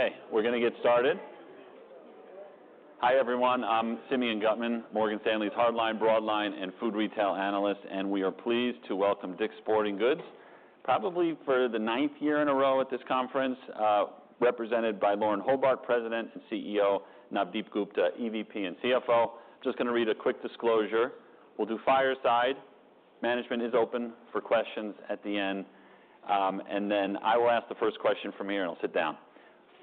Okay, we're going to get started. Hi everyone, I'm Simeon Gutman, Morgan Stanley's hardlines, broadlines, and food retail analyst, and we are pleased to welcome DICK'S Sporting Goods, probably for the ninth year in a row at this conference, represented by Lauren Hobart, President and CEO, Navdeep Gupta, EVP and CFO. I'm just going to read a quick disclosure. We'll do fireside. Management is open for questions at the end. And then I will ask the first question from here, and I'll sit down.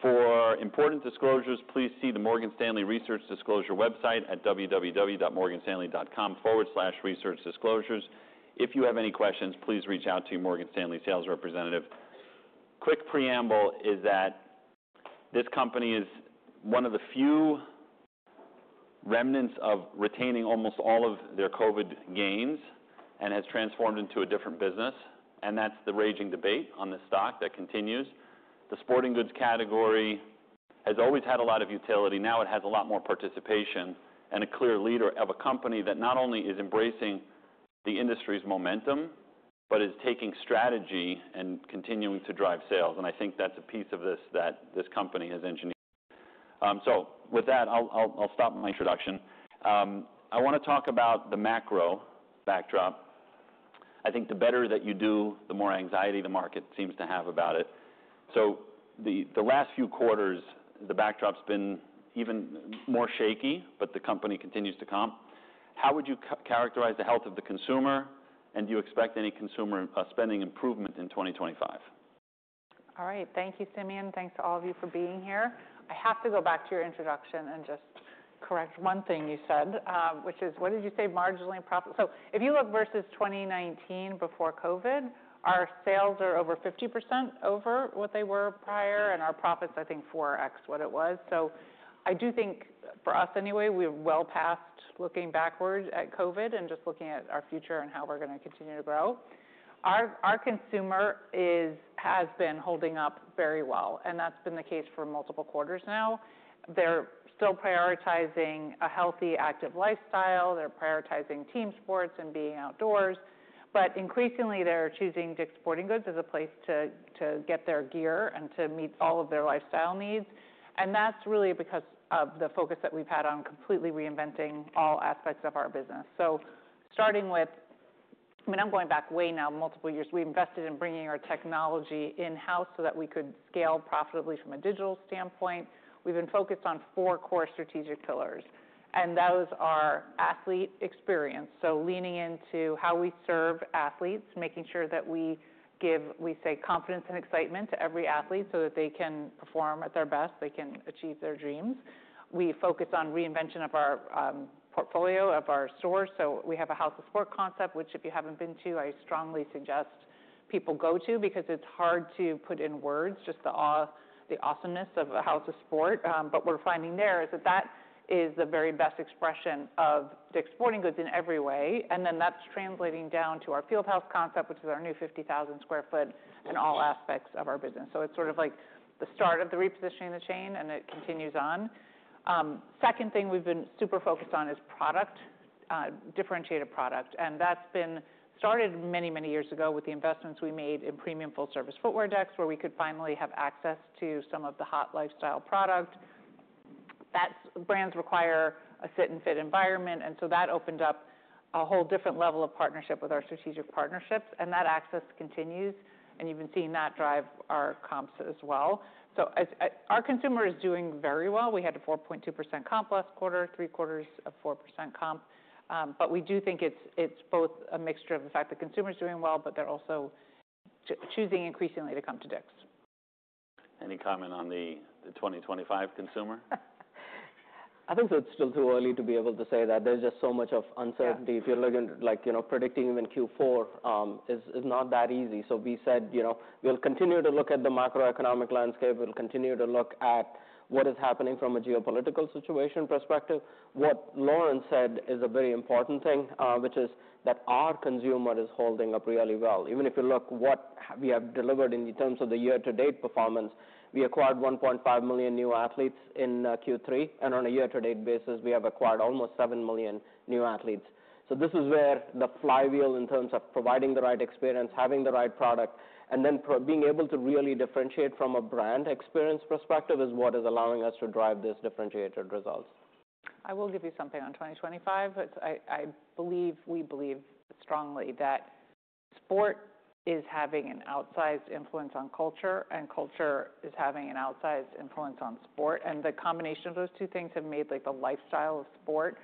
For important disclosures, please see the Morgan Stanley Research Disclosure website at www.morganstanley.com/researchdisclosures. If you have any questions, please reach out to your Morgan Stanley sales representative. Quick preamble is that this company is one of the few remnants of retaining almost all of their COVID gains and has transformed into a different business, and that's the raging debate on this stock that continues. The sporting goods category has always had a lot of utility. Now it has a lot more participation and a clear leader of a company that not only is embracing the industry's momentum, but is taking strategy and continuing to drive sales, and I think that's a piece of this that this company has engineered, so with that, I'll stop my introduction. I want to talk about the macro backdrop. I think the better that you do, the more anxiety the market seems to have about it, so the last few quarters, the backdrop's been even more shaky, but the company continues to comp. How would you characterize the health of the consumer, and do you expect any consumer spending improvement in 2025? All right, thank you, Simeon. Thanks to all of you for being here. I have to go back to your introduction and just correct one thing you said, which is, what did you say? Marginally profitable. So if you look versus 2019 before COVID, our sales are over 50% over what they were prior, and our profits, I think, four X what it was. So I do think, for us anyway, we're well past looking backward at COVID and just looking at our future and how we're going to continue to grow. Our consumer has been holding up very well, and that's been the case for multiple quarters now. They're still prioritizing a healthy, active lifestyle. They're prioritizing team sports and being outdoors. But increasingly, they're choosing DICK'S Sporting Goods as a place to get their gear and to meet all of their lifestyle needs. That's really because of the focus that we've had on completely reinventing all aspects of our business. So starting with, I mean, I'm going back way now, multiple years. We invested in bringing our technology in-house so that we could scale profitably from a digital standpoint. We've been focused on four core strategic pillars, and those are athlete experience. So leaning into how we serve athletes, making sure that we give, we say, confidence and excitement to every athlete so that they can perform at their best, they can achieve their dreams. We focus on reinvention of our portfolio of our stores. So we have a House of Sport concept, which if you haven't been to, I strongly suggest people go to because it's hard to put in words just the awesomeness of a House of Sport. But what we're finding there is that that is the very best expression of DICK'S Sporting Goods in every way, and then that's translating down to our Field House concept, which is our new 50,000 sq ft in all aspects of our business, so it's sort of like the start of the repositioning of the chain, and it continues on. Second thing we've been super focused on is product, differentiated product, and that's been started many, many years ago with the investments we made in premium full-service footwear departments where we could finally have access to some of the hot lifestyle product. Brands require a fit and fit environment, and so that opened up a whole different level of partnership with our strategic partnerships, and that access continues, and you've been seeing that drive our comps as well, so our consumer is doing very well. We had a 4.2% comp last quarter, three quarters of 4% comp, but we do think it's both a mixture of the fact that consumers are doing well, but they're also choosing increasingly to come to DICK'S. Any comment on the 2025 consumer? I think it's still too early to be able to say that. There's just so much of uncertainty. If you're looking at predicting even Q4, it's not that easy. So we said we'll continue to look at the macroeconomic landscape. We'll continue to look at what is happening from a geopolitical situation perspective. What Lauren said is a very important thing, which is that our consumer is holding up really well. Even if you look at what we have delivered in terms of the year-to-date performance, we acquired 1.5 million new athletes in Q3. And on a year-to-date basis, we have acquired almost seven million new athletes. So this is where the flywheel in terms of providing the right experience, having the right product, and then being able to really differentiate from a brand experience perspective is what is allowing us to drive those differentiated results. I will give you something on 2025. I believe, we believe strongly that sport is having an outsized influence on culture, and culture is having an outsized influence on sport, and the combination of those two things has made the lifestyle of sport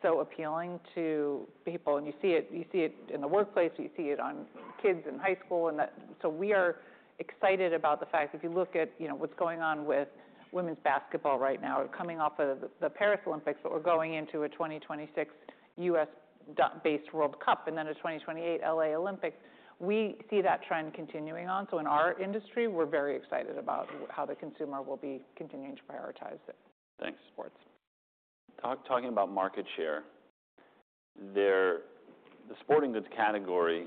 so appealing to people, and you see it in the workplace, you see it on kids in high school, and so we are excited about the fact that if you look at what's going on with women's basketball right now, we're coming off of the Paris Olympics, but we're going into a 2026 U.S.-based World Cup and then a 2028 L.A. Olympics. We see that trend continuing on, so in our industry, we're very excited about how the consumer will be continuing to prioritize it. Thanks, sports. Talking about market share, the sporting goods category,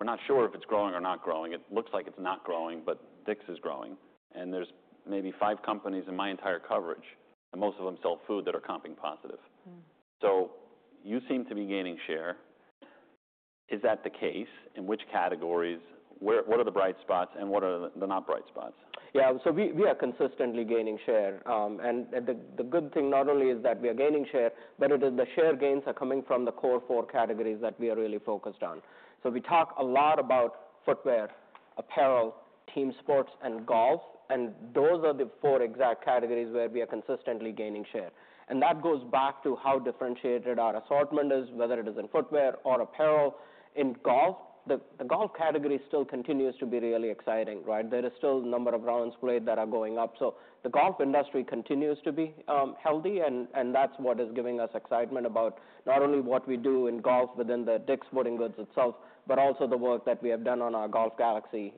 we're not sure if it's growing or not growing. It looks like it's not growing, but DICK'S is growing. And there's maybe five companies in my entire coverage, and most of them sell food that are comping positive. So you seem to be gaining share. Is that the case? In which categories? What are the bright spots and what are the not bright spots? Yeah, so we are consistently gaining share. And the good thing not only is that we are gaining share, but the share gains are coming from the core four categories that we are really focused on. So we talk a lot about footwear, apparel, team sports, and golf. And those are the four exact categories where we are consistently gaining share. And that goes back to how differentiated our assortment is, whether it is in footwear or apparel. In golf, the golf category still continues to be really exciting, right? There are still a number of rounds played that are going up. So the golf industry continues to be healthy, and that's what is giving us excitement about not only what we do in golf within the DICK'S Sporting Goods itself, but also the work that we have done on our Golf Galaxy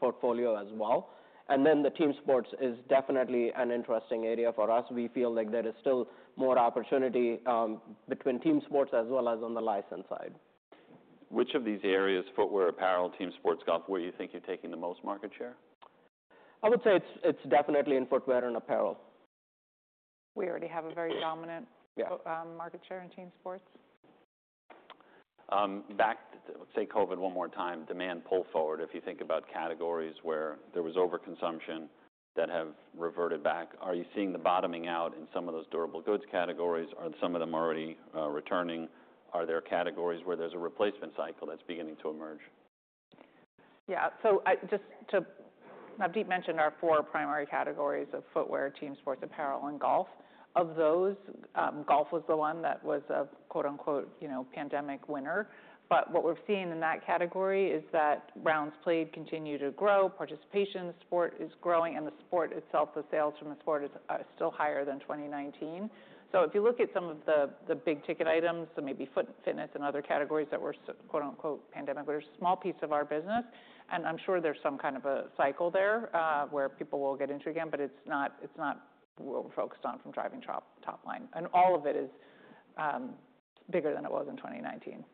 portfolio as well. And then the team sports is definitely an interesting area for us. We feel like there is still more opportunity between team sports as well as on the license side. Which of these areas, footwear, apparel, team sports, golf, where do you think you're taking the most market share? I would say it's definitely in footwear and apparel. We already have a very dominant market share in team sports. Back, say, COVID one more time, demand pulled forward. If you think about categories where there was overconsumption that have reverted back, are you seeing the bottoming out in some of those durable goods categories? Are some of them already returning? Are there categories where there's a replacement cycle that's beginning to emerge? Yeah, so just to, Navdeep mentioned our four primary categories of footwear, team sports, apparel, and golf. Of those, golf was the one that was a "pandemic winner." But what we're seeing in that category is that rounds played continue to grow. Participation in the sport is growing, and the sport itself, the sales from the sport are still higher than 2019. So if you look at some of the big ticket items, so maybe foot fitness and other categories that were "pandemic," there's a small piece of our business. And I'm sure there's some kind of a cycle there where people will get into it again, but it's not what we're focused on from driving top line. And all of it is bigger than it was in 2019.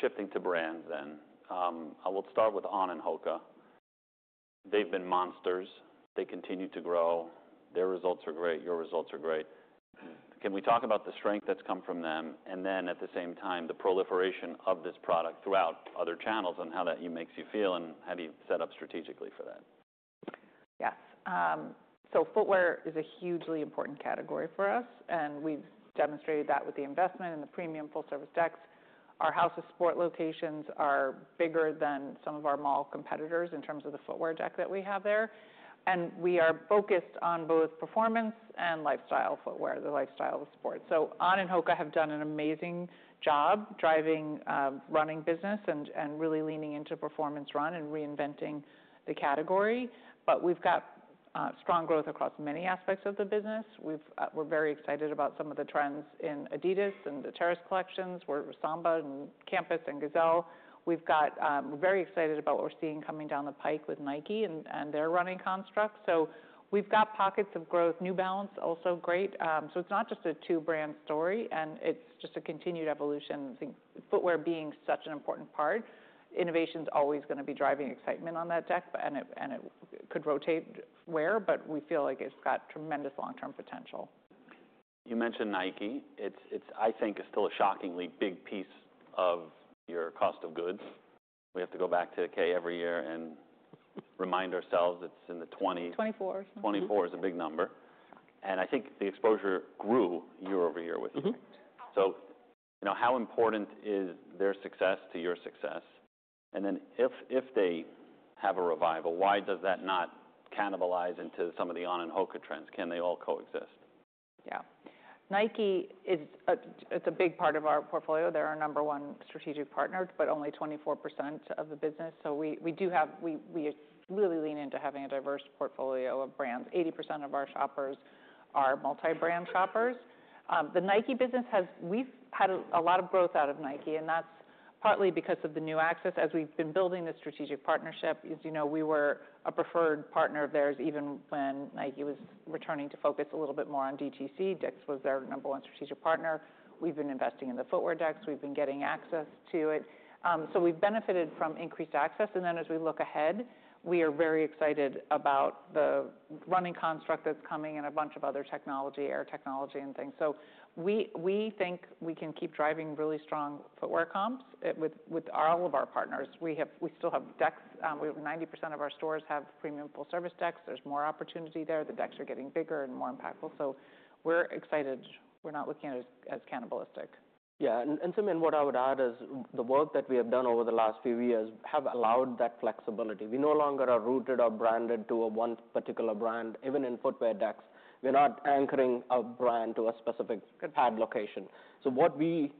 Shifting to brands then. I will start with On and HOKA. They've been monsters. They continue to grow. Their results are great. Your results are great. Can we talk about the strength that's come from them? And then at the same time, the proliferation of this product throughout other channels and how that makes you feel and how do you set up strategically for that? Yes. So footwear is a hugely important category for us, and we've demonstrated that with the investment in the premium full-service decks. Our House of Sport locations are bigger than some of our mall competitors in terms of the footwear deck that we have there. And we are focused on both performance and lifestyle footwear, the lifestyle of sport. So On and HOKA have done an amazing job driving running business and really leaning into performance run and reinventing the category. But we've got strong growth across many aspects of the business. We're very excited about some of the trends in Adidas and the Terrace collections where Samba and Campus and Gazelle. We're very excited about what we're seeing coming down the pike with Nike and their running constructs. So we've got pockets of growth. New Balance, also great. So it's not just a two-brand story, and it's just a continued evolution. I think footwear being such an important part, innovation's always going to be driving excitement on that deck, and it could rotate where, but we feel like it's got tremendous long-term potential. You mentioned Nike. I think it's still a shockingly big piece of your cost of goods. We have to go back to K every year and remind ourselves it's in the 20%. 24. 24 is a big number. I think the exposure grew year over year with you. How important is their success to your success? Then if they have a revival, why does that not cannibalize into some of the On and HOKA trends? Can they all coexist? Yeah. Nike is a big part of our portfolio. They're our number one strategic partner, but only 24% of the business. So we do have, we really lean into having a diverse portfolio of brands. 80% of our shoppers are multi-brand shoppers. The Nike business has, we've had a lot of growth out of Nike, and that's partly because of the new access. As we've been building this strategic partnership, as you know, we were a preferred partner of theirs even when Nike was returning to focus a little bit more on DTC. DICK'S was their number one strategic partner. We've been investing in the footwear decks. We've been getting access to it. So we've benefited from increased access. And then as we look ahead, we are very excited about the running construct that's coming and a bunch of other technology, air technology and things. So we think we can keep driving really strong footwear comps with all of our partners. We still have decks. 90% of our stores have premium full-service decks. There's more opportunity there. The decks are getting bigger and more impactful. So we're excited. We're not looking at it as cannibalistic. Yeah. And Simeon, what I would add is the work that we have done over the last few years has allowed that flexibility. We no longer are rooted or branded to one particular brand, even in footwear decks. We're not anchoring a brand to a specific pad location. So what we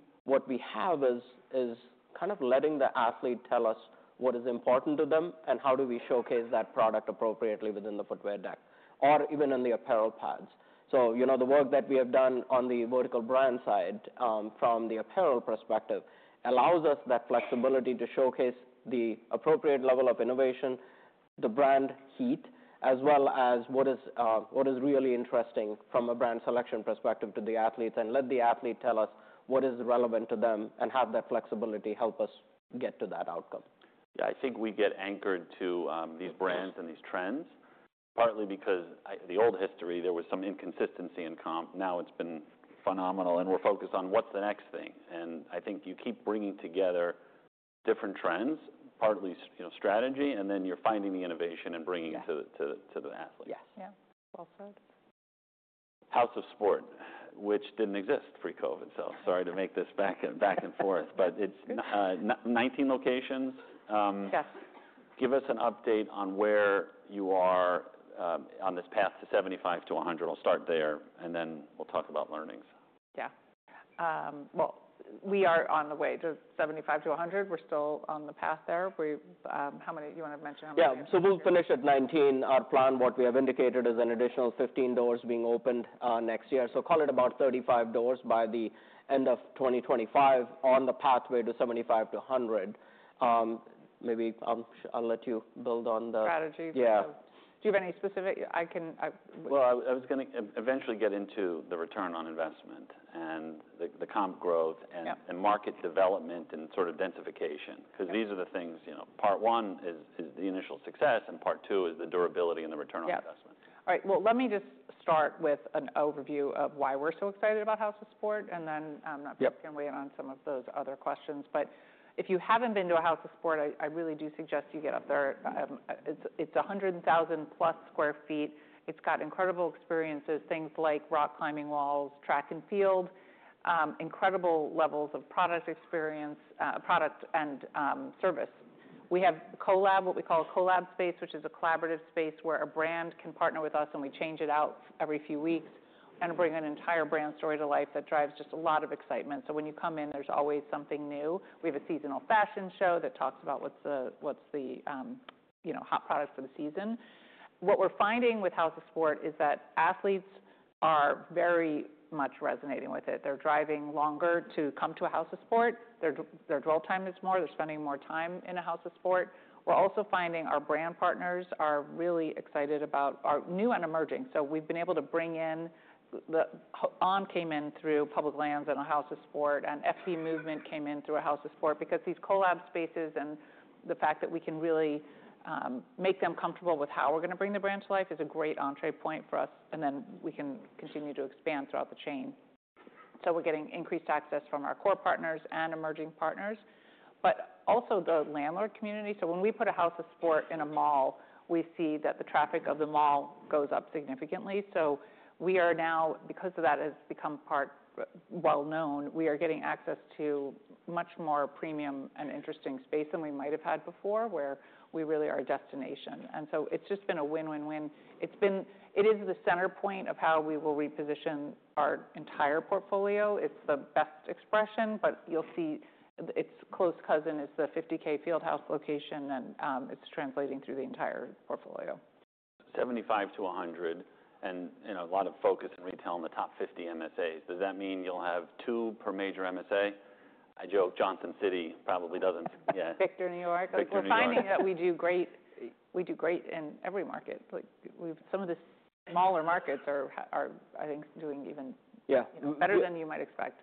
have is kind of letting the athlete tell us what is important to them and how do we showcase that product appropriately within the footwear deck or even in the apparel pads. So the work that we have done on the vertical brand side from the apparel perspective allows us that flexibility to showcase the appropriate level of innovation, the brand heat, as well as what is really interesting from a brand selection perspective to the athletes and let the athlete tell us what is relevant to them and have that flexibility help us get to that outcome. Yeah, I think we get anchored to these brands and these trends, partly because the old history, there was some inconsistency in comp. Now it's been phenomenal, and we're focused on what's the next thing. And I think you keep bringing together different trends, partly strategy, and then you're finding the innovation and bringing it to the athlete. Yes. Yeah. Well said. House of Sport, which didn't exist pre-COVID, so sorry to make this back and forth, but it's 19 locations. Give us an update on where you are on this path to 75-100. We'll start there, and then we'll talk about learnings. Yeah. Well, we are on the way to 75-100. We're still on the path there. How many? You want to mention how many? Yeah. So we'll finish at 19. Our plan, what we have indicated, is an additional 15 doors being opened next year. So call it about 35 doors by the end of 2025 on the pathway to 75-100. Maybe I'll let you build on the. Strategy. Yeah. Do you have any specific? I was going to eventually get into the return on investment and the comp growth and market development and sort of densification because these are the things. Part one is the initial success, and Part two is the durability and the return on investment. Yeah. All right. Well, let me just start with an overview of why we're so excited about House of Sport, and then I'm not sure if you can weigh in on some of those other questions. But if you haven't been to a House of Sport, I really do suggest you get up there. It's 100,000-plus sq ft. It's got incredible experiences, things like rock climbing walls, track and field, incredible levels of product experience, product and service. We have what we call a collab space, which is a collaborative space where a brand can partner with us, and we change it out every few weeks and bring an entire brand story to life that drives just a lot of excitement. So when you come in, there's always something new. We have a seasonal fashion show that talks about what's the hot product for the season. What we're finding with House of Sport is that athletes are very much resonating with it. They're driving longer to come to a House of Sport. Their dwell time is more. They're spending more time in a House of Sport. We're also finding our brand partners are really excited about our new and emerging. So we've been able to bring in the On came in through Public Lands and a House of Sport, and FP Movement came in through a House of Sport because these collab spaces and the fact that we can really make them comfortable with how we're going to bring the brand to life is a great entry point for us, and then we can continue to expand throughout the chain. So we're getting increased access from our core partners and emerging partners, but also the landlord community. So when we put a House of Sport in a mall, we see that the traffic of the mall goes up significantly. So we are now, because that has become part well-known, we are getting access to much more premium and interesting space than we might have had before, where we really are a destination. And so it's just been a win-win-win. It is the center point of how we will reposition our entire portfolio. It's the best expression, but you'll see its close cousin is the 50K Field House location, and it's translating through the entire portfolio. 75-100 and a lot of focus in retail in the top 50 MSAs. Does that mean you'll have two per major MSA? I joke. Johnson City probably doesn't. Yeah. Victor, New York. We're finding that we do great in every market. Some of the smaller markets are, I think, doing even better than you might expect.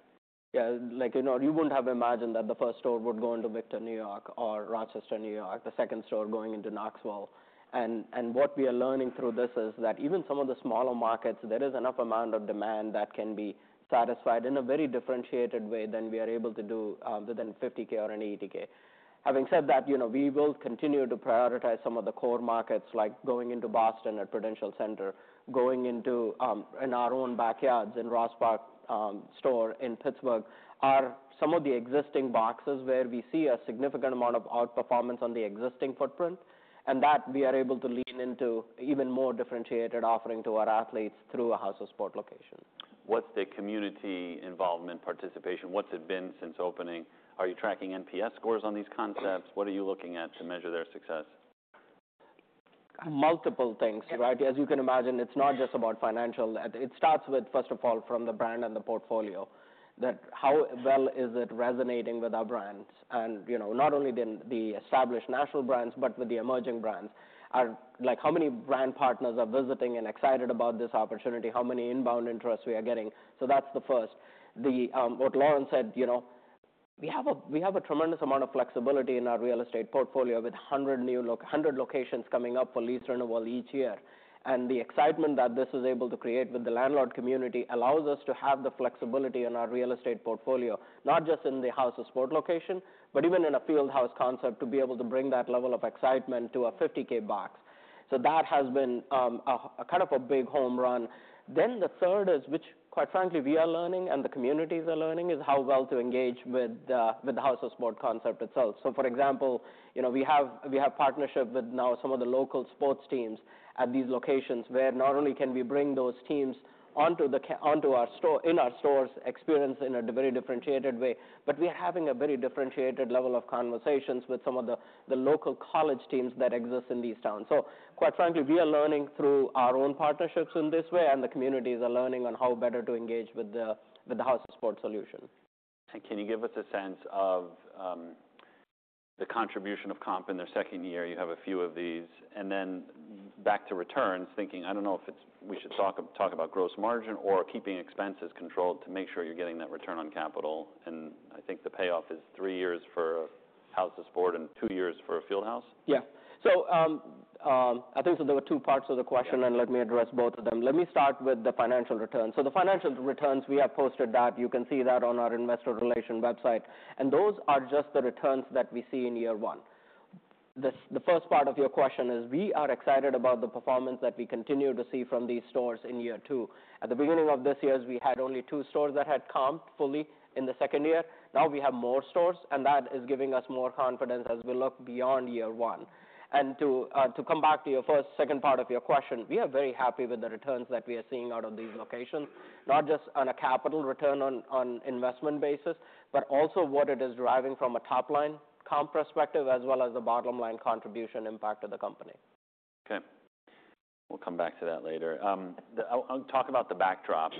Yeah. You wouldn't have imagined that the first store would go into Victor, New York, or Rochester, New York, the second store going into Knoxville. And what we are learning through this is that even some of the smaller markets, there is enough amount of demand that can be satisfied in a very differentiated way than we are able to do within 50K or an 80K. Having said that, we will continue to prioritize some of the core markets, like going into Boston at Prudential Center, going into our own backyards in Ross Park Mall in Pittsburgh, are some of the existing boxes where we see a significant amount of outperformance on the existing footprint, and that we are able to lean into even more differentiated offering to our athletes through a House of Sport location. What's the community involvement participation? What's it been since opening? Are you tracking NPS scores on these concepts? What are you looking at to measure their success? Multiple things, right? As you can imagine, it's not just about financial. It starts with, first of all, from the brand and the portfolio, that how well is it resonating with our brands? And not only the established national brands, but with the emerging brands. How many brand partners are visiting and excited about this opportunity? How many inbound interests we are getting? So that's the first. What Lauren said, we have a tremendous amount of flexibility in our real estate portfolio with 100 locations coming up for lease renewal each year. And the excitement that this was able to create with the landlord community allows us to have the flexibility in our real estate portfolio, not just in the House of Sport location, but even in a Field House concept to be able to bring that level of excitement to a 50K box. So that has been kind of a big home run. Then the third is, which quite frankly we are learning and the communities are learning, is how well to engage with the House of Sport concept itself. So for example, we have partnership with now some of the local sports teams at these locations where not only can we bring those teams onto our stores' experience in a very differentiated way, but we are having a very differentiated level of conversations with some of the local college teams that exist in these towns. So quite frankly, we are learning through our own partnerships in this way, and the communities are learning on how better to engage with the House of Sport solution. Can you give us a sense of the contribution of comp in their second year? You have a few of these, and then back to returns, thinking, I don't know if we should talk about gross margin or keeping expenses controlled to make sure you're getting that return on capital, and I think the payoff is three years for House of Sport and two years for a Field House. Yeah, so I think there were two parts of the question, and let me address both of them. Let me start with the financial returns, so the financial returns, we have posted that. You can see that on our investor relations website. And those are just the returns that we see in year one. The first part of your question is, we are excited about the performance that we continue to see from these stores in year two. At the beginning of this year, we had only two stores that had comp fully in the second year. Now we have more stores, and that is giving us more confidence as we look beyond year one. And to come back to your first, second part of your question, we are very happy with the returns that we are seeing out of these locations, not just on a capital return on investment basis, but also what it is driving from a top-line comp perspective, as well as the bottom-line contribution impact to the company. Okay. We'll come back to that later. I'll talk about the backdrop.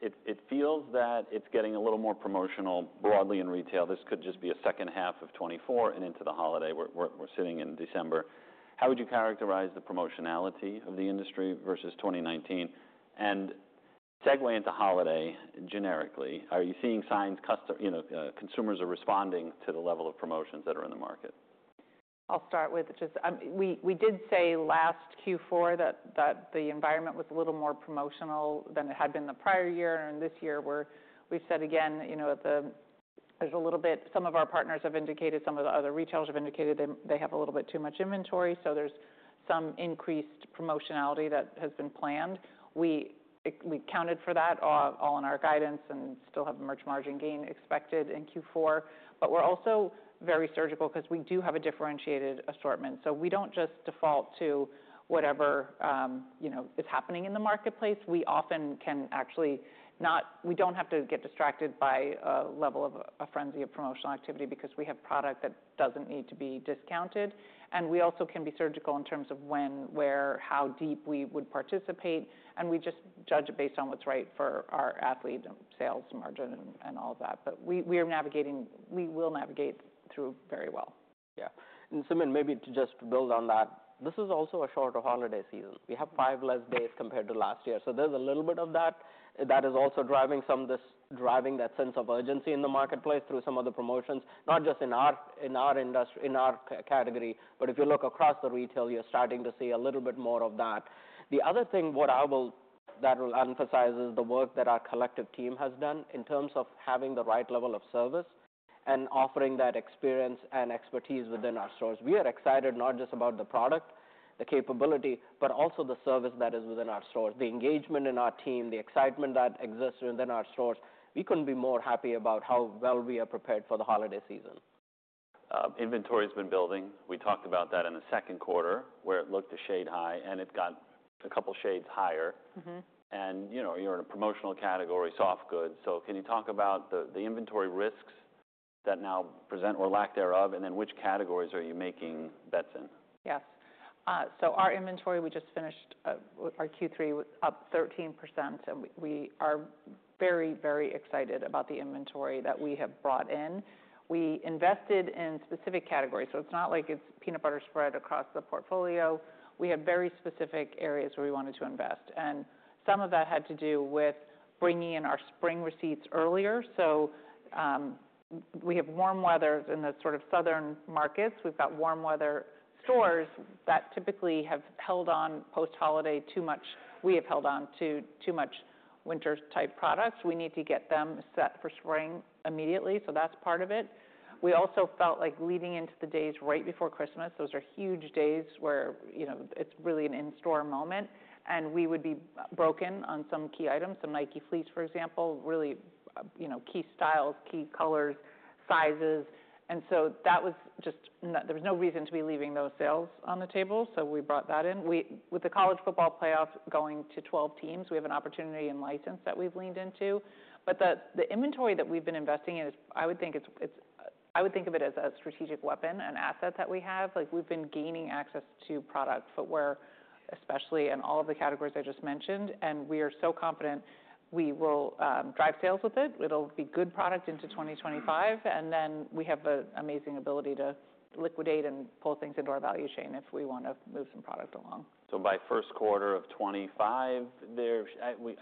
It feels that it's getting a little more promotional broadly in retail. This could just be a second half of 2024 and into the holiday. We're sitting in December. How would you characterize the promotionality of the industry versus 2019? And segue into holiday generically, are you seeing signs consumers are responding to the level of promotions that are in the market? I'll start with just we did say last Q4 that the environment was a little more promotional than it had been the prior year. And this year, we've said again, there's a little bit some of our partners have indicated, some of the other retailers have indicated they have a little bit too much inventory. So there's some increased promotionality that has been planned. We counted for that all in our guidance and still have a merch margin gain expected in Q4. But we're also very surgical because we do have a differentiated assortment. So we don't just default to whatever is happening in the marketplace. We often can actually not we don't have to get distracted by a level of a frenzy of promotional activity because we have product that doesn't need to be discounted. We also can be surgical in terms of when, where, how deep we would participate. We just judge it based on what's right for our athlete sales margin and all of that. We will navigate through very well. Yeah. And Simeon, maybe to just build on that, this is also a shorter holiday season. We have five less days compared to last year. So there's a little bit of that. That is also driving some of this that sense of urgency in the marketplace through some of the promotions, not just in our category, but if you look across the retail, you're starting to see a little bit more of that. The other thing that will emphasize is the work that our collective team has done in terms of having the right level of service and offering that experience and expertise within our stores. We are excited not just about the product, the capability, but also the service that is within our stores, the engagement in our team, the excitement that exists within our stores. We couldn't be more happy about how well we are prepared for the holiday season. Inventory has been building. We talked about that in the second quarter, where it looked a shade high, and it got a couple of shades higher, and you're in a promotional category, soft goods, so can you talk about the inventory risks that now present or lack thereof, and then which categories are you making bets in? Yes. So our inventory, we just finished our Q3 up 13%, and we are very, very excited about the inventory that we have brought in. We invested in specific categories. So it's not like it's peanut butter spread across the portfolio. We have very specific areas where we wanted to invest. And some of that had to do with bringing in our spring receipts earlier. So we have warm weather in the sort of southern markets. We've got warm weather stores that typically have held on post-holiday too much. We have held on to too much winter-type products. We need to get them set for spring immediately. So that's part of it. We also felt like leading into the days right before Christmas, those are huge days where it's really an in-store moment, and we would be broken on some key items, some Nike Fleece, for example, really key styles, key colors, sizes, and so there was no reason to be leaving those sales on the table, so we brought that in. With the college football playoffs going to 12 teams, we have an opportunity in license that we've leaned into, but the inventory that we've been investing in is. I would think of it as a strategic weapon, an asset that we have. We've been gaining access to product footwear, especially in all of the categories I just mentioned, and we are so confident we will drive sales with it. It'll be good product into 2025. We have an amazing ability to liquidate and pull things into our value chain if we want to move some product along. So by first quarter of 2025,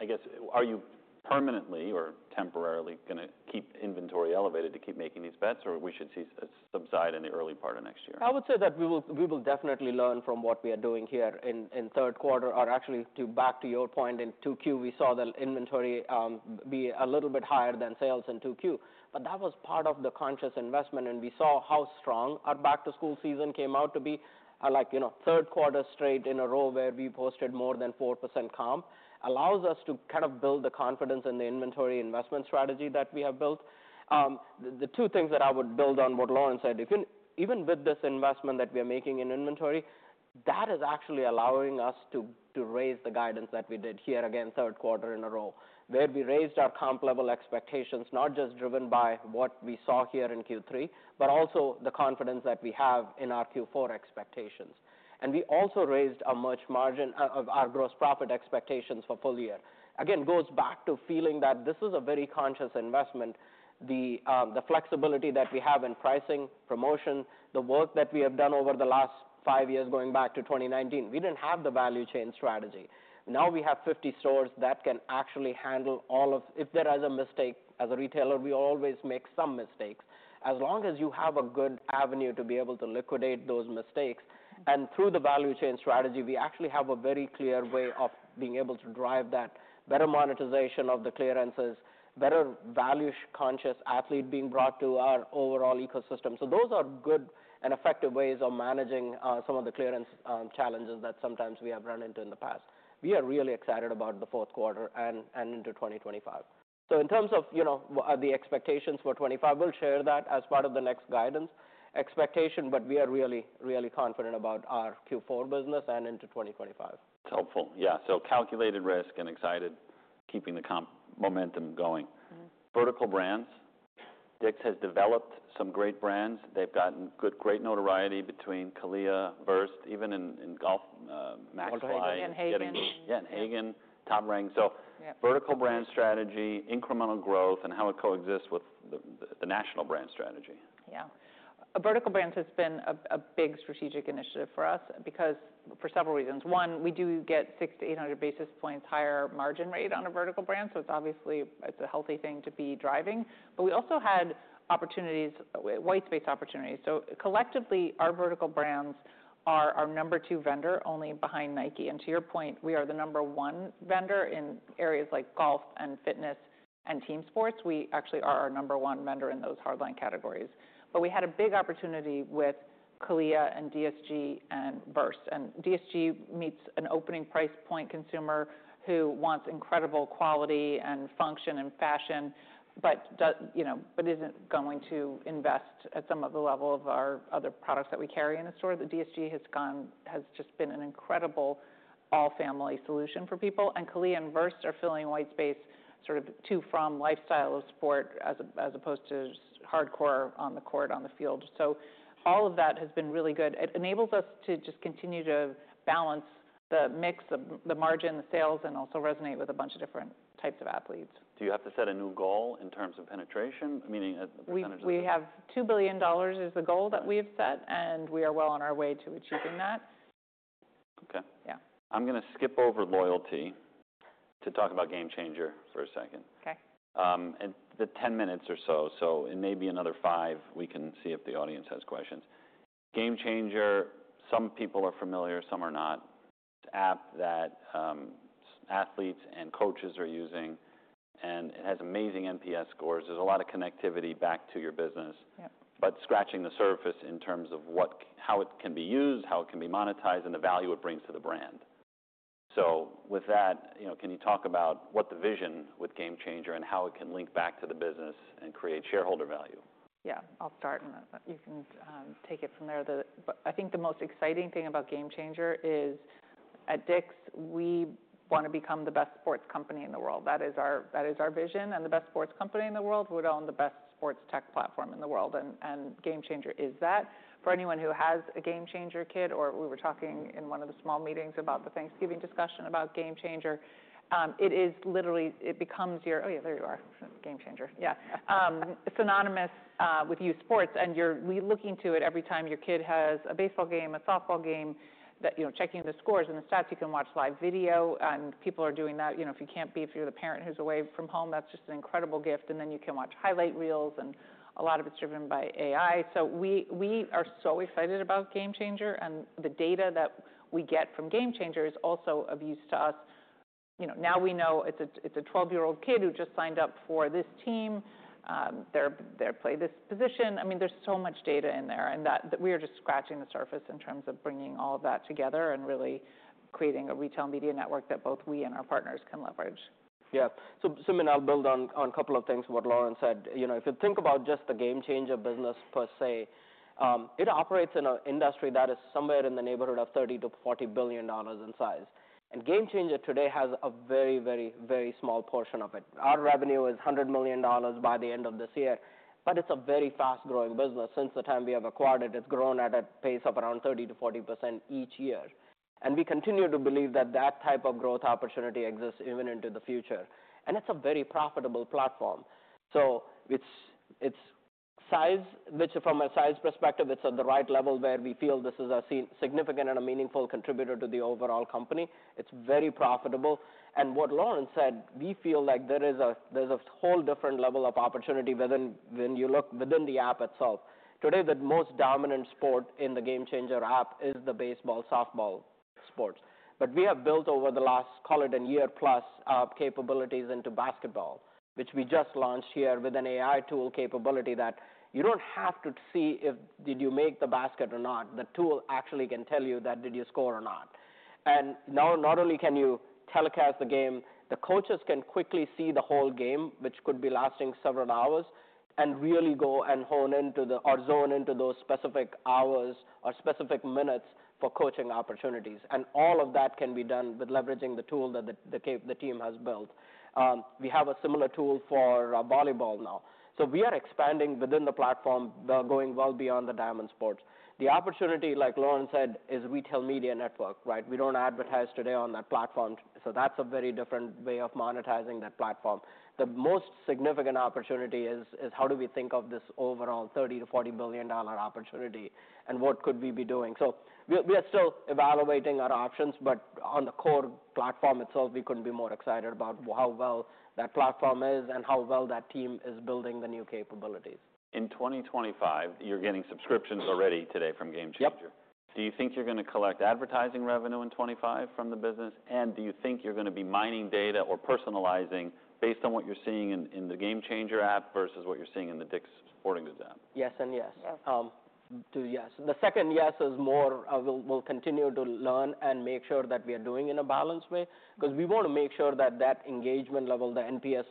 I guess, are you permanently or temporarily going to keep inventory elevated to keep making these bets, or we should see a subside in the early part of next year? I would say that we will definitely learn from what we are doing here in third quarter, or actually, back to your point in Q2, we saw the inventory be a little bit higher than sales in Q2. But that was part of the conscious investment, and we saw how strong our back-to-school season came out to be. Like third quarter straight in a row where we posted more than 4% comp allows us to kind of build the confidence in the inventory investment strategy that we have built. The two things that I would build on what Lauren said, even with this investment that we are making in inventory, that is actually allowing us to raise the guidance that we did here again third quarter in a row, where we raised our comp-level expectations, not just driven by what we saw here in Q3, but also the confidence that we have in our Q4 expectations. We also raised our merch margin, our gross profit expectations for full year. Again, it goes back to feeling that this is a very conscious investment. The flexibility that we have in pricing, promotion, the work that we have done over the last five years going back to 2019, we didn't have the value chain strategy. Now we have 50 stores that can actually handle all of if there is a mistake. As a retailer, we always make some mistakes. As long as you have a good avenue to be able to liquidate those mistakes, and through the value chain strategy, we actually have a very clear way of being able to drive that better monetization of the clearances, better value-conscious athlete being brought to our overall ecosystem, so those are good and effective ways of managing some of the clearance challenges that sometimes we have run into in the past. We are really excited about the fourth quarter and into 2025, so in terms of the expectations for 2025, we'll share that as part of the next guidance expectation, but we are really, really confident about our Q4 business and into 2025. It's helpful. Yeah. So calculated risk and excited, keeping the comp momentum going. Vertical brands. DICK'S has developed some great brands. They've gotten good, great notoriety between CALIA, VRST, even in golf, Maxfli. And Hagen. Yeah, and Hagen, Top-Flite, so vertical brand strategy, incremental growth, and how it coexists with the national brand strategy. Yeah. Vertical brands has been a big strategic initiative for us because for several reasons. One, we do get 600 to 800 basis points higher margin rate on a vertical brand. So it's obviously a healthy thing to be driving. But we also had opportunities, white space opportunities. So collectively, our vertical brands are our number two vendor, only behind Nike. And to your point, we are the number one vendor in areas like golf and fitness and team sports. We actually are our number one vendor in those hardlines categories. But we had a big opportunity with CALIA and DSG and VRST. And DSG meets an opening price point consumer who wants incredible quality and function and fashion, but isn't going to invest at some of the level of our other products that we carry in the store. The DSG has just been an incredible all-family solution for people. And CALIA and VRST are filling white space sort of to-from lifestyle of sport as opposed to hardcore on the court, on the field. So all of that has been really good. It enables us to just continue to balance the mix, the margin, the sales, and also resonate with a bunch of different types of athletes. Do you have to set a new goal in terms of penetration? I mean. We have $2 billion is the goal that we have set, and we are well on our way to achieving that. Okay. I'm going to skip over loyalty to talk about GameChanger for a second. Okay. The 10 minutes or so. So in maybe another five, we can see if the audience has questions. GameChanger, some people are familiar, some are not. It's an app that athletes and coaches are using, and it has amazing NPS scores. There's a lot of connectivity back to your business, but scratching the surface in terms of how it can be used, how it can be monetized, and the value it brings to the brand. So with that, can you talk about what the vision with GameChanger and how it can link back to the business and create shareholder value? Yeah. I'll start, and you can take it from there. But I think the most exciting thing about GameChanger is at DICK'S, we want to become the best sports company in the world. That is our vision. And the best sports company in the world would own the best sports tech platform in the world. And GameChanger is that. For anyone who has a GameChanger kid, or we were talking in one of the small meetings about the Thanksgiving discussion about GameChanger, it is literally it becomes your oh, yeah, there you are. GameChanger. Yeah. Synonymous with youth sports. And we're looking to it every time your kid has a baseball game, a softball game, checking the scores and the stats. You can watch live video, and people are doing that. If you can't be there, if you're the parent who's away from home, that's just an incredible gift. And then you can watch highlight reels, and a lot of it's driven by AI. So we are so excited about GameChanger. And the data that we get from GameChanger is also of use to us. Now we know it's a 12-year-old kid who just signed up for this team. They play this position. I mean, there's so much data in there. And we are just scratching the surface in terms of bringing all of that together and really creating a retail media network that both we and our partners can leverage. Yeah. Simeon, I'll build on a couple of things what Lauren said. If you think about just the GameChanger business per se, it operates in an industry that is somewhere in the neighborhood of $30-$40 billion in size. GameChanger today has a very, very, very small portion of it. Our revenue is $100 million by the end of this year. But it's a very fast-growing business. Since the time we have acquired it, it's grown at a pace of around 30%-40% each year. We continue to believe that that type of growth opportunity exists even into the future. It's a very profitable platform. From a size perspective, it's at the right level where we feel this is a significant and a meaningful contributor to the overall company. It's very profitable. What Lauren said, we feel like there is a whole different level of opportunity when you look within the app itself. Today, the most dominant sport in the GameChanger app is the baseball softball sports. But we have built over the last, call it a year plus, capabilities into basketball, which we just launched here with an AI tool capability that you don't have to see if did you make the basket or not. The tool actually can tell you that did you score or not. And now not only can you telecast the game, the coaches can quickly see the whole game, which could be lasting several hours, and really go and hone in on or zone in on those specific hours or specific minutes for coaching opportunities. And all of that can be done with leveraging the tool that the team has built. We have a similar tool for volleyball now. So we are expanding within the platform, going well beyond the diamond sports. The opportunity, like Lauren said, is retail media network, right? We don't advertise today on that platform. So that's a very different way of monetizing that platform. The most significant opportunity is how do we think of this overall $30-$40 billion opportunity and what could we be doing? So we are still evaluating our options, but on the core platform itself, we couldn't be more excited about how well that platform is and how well that team is building the new capabilities. In 2025, you're getting subscriptions already today from GameChanger. Do you think you're going to collect advertising revenue in 2025 from the business? And do you think you're going to be mining data or personalizing based on what you're seeing in the GameChanger app versus what you're seeing in the DICK'S Sporting Goods app? Yes and yes. Yes. The second yes is more we'll continue to learn and make sure that we are doing in a balanced way because we want to make sure that that engagement level, the NPS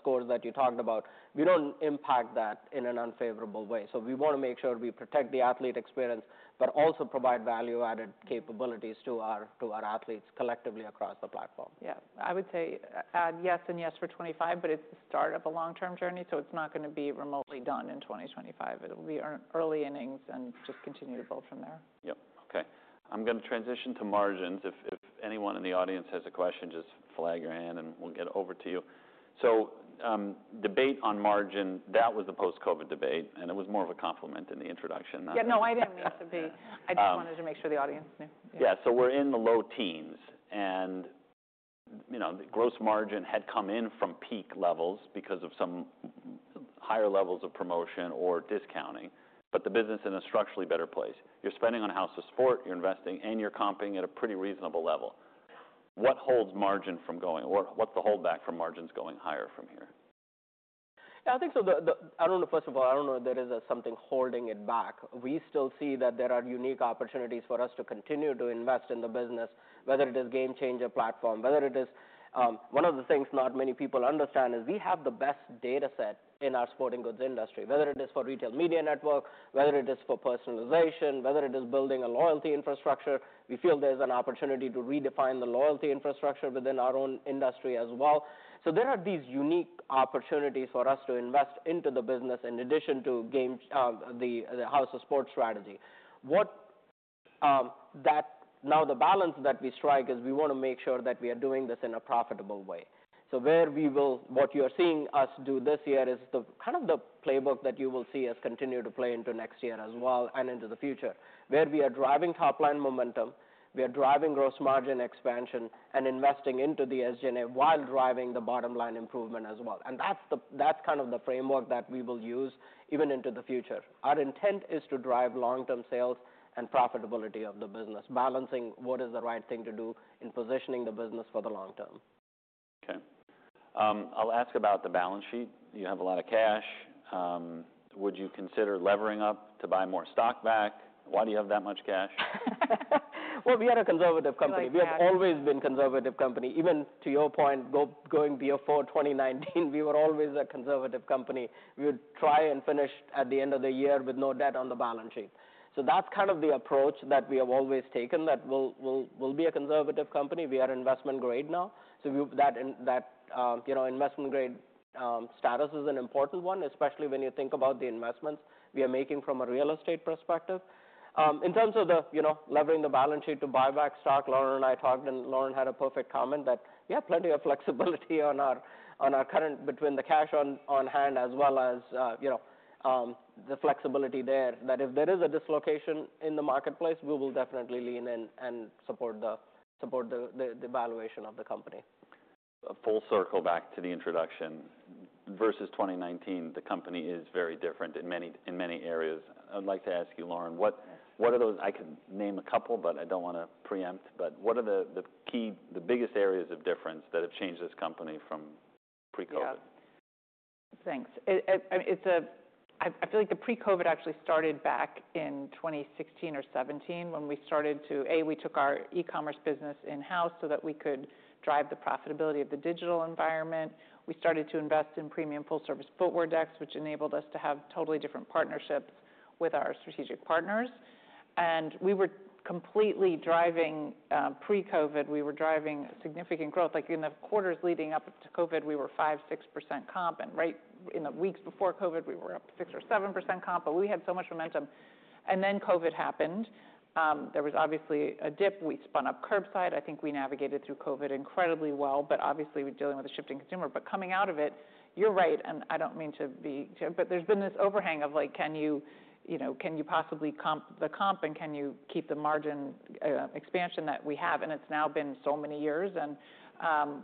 scores that you talked about, we don't impact that in an unfavorable way. So we want to make sure we protect the athlete experience, but also provide value-added capabilities to our athletes collectively across the platform. Yeah. I would say and yes and yes for 2025, but it's the start of a long-term journey. So it's not going to be remotely done in 2025. It'll be early innings and just continue to build from there. Yep. Okay. I'm going to transition to margins. If anyone in the audience has a question, just flag your hand, and we'll get it over to you. So debate on margins, that was the post-COVID debate, and it was more of a complement in the introduction. Yeah. No, I didn't mean to be. I just wanted to make sure the audience knew. Yeah. So we're in the low teens, and gross margin had come in from peak levels because of some higher levels of promotion or discounting, but the business is in a structurally better place. You're spending on a House of Sport, you're investing, and you're comping at a pretty reasonable level. What holds margin from going or what's the holdback from margins going higher from here? Yeah. I think so. I don't know, first of all, I don't know if there is something holding it back. We still see that there are unique opportunities for us to continue to invest in the business, whether it is GameChanger platform, whether it is one of the things not many people understand is we have the best data set in our sporting goods industry, whether it is for retail media network, whether it is for personalization, whether it is building a loyalty infrastructure. We feel there's an opportunity to redefine the loyalty infrastructure within our own industry as well. So there are these unique opportunities for us to invest into the business in addition to the House of Sport strategy. Now the balance that we strike is we want to make sure that we are doing this in a profitable way. So what you are seeing us do this year is kind of the playbook that you will see us continue to play into next year as well and into the future, where we are driving top-line momentum, we are driving gross margin expansion, and investing into the SG&A while driving the bottom-line improvement as well. And that's kind of the framework that we will use even into the future. Our intent is to drive long-term sales and profitability of the business, balancing what is the right thing to do in positioning the business for the long term. Okay. I'll ask about the balance sheet. You have a lot of cash. Would you consider levering up to buy more stock back? Why do you have that much cash? Well, we are a conservative company. We have always been a conservative company. Even to your point, going before 2019, we were always a conservative company. We would try and finish at the end of the year with no debt on the balance sheet. So that's kind of the approach that we have always taken, that we'll be a conservative company. We are Investment Grade now. So that Investment Grade status is an important one, especially when you think about the investments we are making from a real estate perspective. In terms of levering the balance sheet to buy back stock, Lauren and I talked, and Lauren had a perfect comment that we have plenty of flexibility on our current between the cash on hand as well as the flexibility there, that if there is a dislocation in the marketplace, we will definitely lean in and support the valuation of the company. Full circle back to the introduction. Versus 2019, the company is very different in many areas. I'd like to ask you, Lauren, what are those? I can name a couple, but I don't want to preempt, but what are the key, the biggest areas of difference that have changed this company from pre-COVID? Thanks. I feel like the pre-COVID actually started back in 2016 or 2017 when we started to, we took our e-commerce business in-house so that we could drive the profitability of the digital environment. We started to invest in premium full-service footwear decks, which enabled us to have totally different partnerships with our strategic partners. And we were completely driving pre-COVID, we were driving significant growth. Like in the quarters leading up to COVID, we were 5%-6% comp. And right in the weeks before COVID, we were up 6% or 7% comp, but we had so much momentum. And then COVID happened. There was obviously a dip. We spun up curbside. I think we navigated through COVID incredibly well, but obviously we're dealing with a shifting consumer. But coming out of it, you're right, and I don't mean to be, but there's been this overhang of like, can you possibly comp the comp and can you keep the margin expansion that we have? And it's now been so many years, and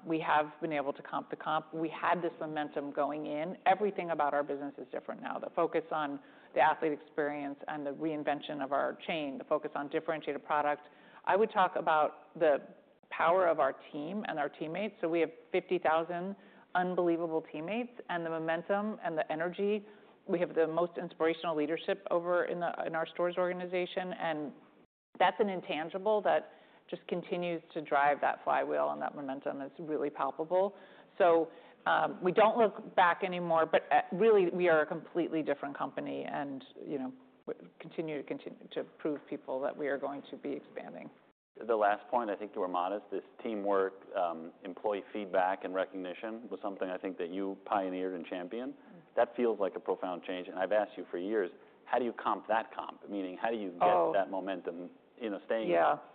we have been able to comp the comp. We had this momentum going in. Everything about our business is different now. The focus on the athlete experience and the reinvention of our chain, the focus on differentiated product. I would talk about the power of our team and our teammates. So we have 50,000 unbelievable teammates, and the momentum and the energy. We have the most inspirational leadership over in our stores organization, and that's an intangible that just continues to drive that flywheel, and that momentum is really palpable. So we don't look back anymore, but really we are a completely different company and continue to prove to people that we are going to be expanding. The last point, I think, too modest, this teamwork, employee feedback, and recognition was something I think that you pioneered and championed. That feels like a profound change. And I've asked you for years, how do you comp that comp? Meaning, how do you get that momentum staying up? Yeah.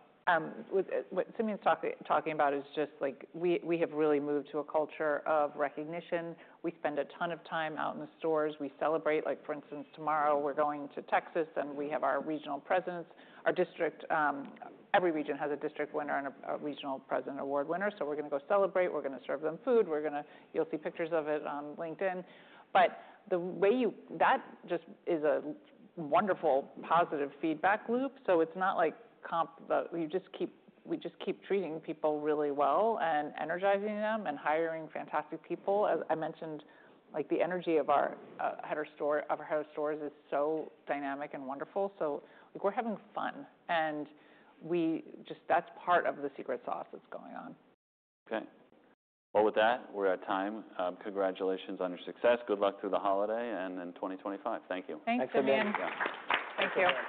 What Simeon's talking about is just like we have really moved to a culture of recognition. We spend a ton of time out in the stores. We celebrate. Like for instance, tomorrow we're going to Texas, and we have our regional presidents. Every region has a district winner and a regional president award winner. So we're going to go celebrate. We're going to serve them food. You'll see pictures of it on LinkedIn. But that just is a wonderful positive feedback loop. So it's not like comp. We just keep treating people really well and energizing them and hiring fantastic people. As I mentioned, the energy of our head of stores is so dynamic and wonderful. So we're having fun, and that's part of the secret sauce that's going on. Okay. Well, with that, we're at time. Congratulations on your success. Good luck through the holiday and in 2025. Thank you. Thanks, Simeon. Thanks, Simeon. Thank you.